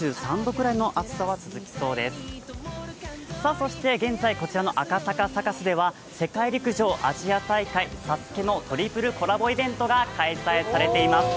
そして、現在こちらの赤坂サカスでは、世界陸上、アジア大会、「ＳＡＳＵＫＥ」のトリプルコラボイベントが開催されています。